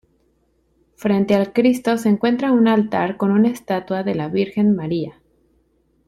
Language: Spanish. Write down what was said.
Frente al Cristo se encuentra un altar con una estatua de la Virgen María.